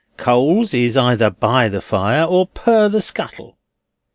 Coals is either by the fire, or per the scuttle."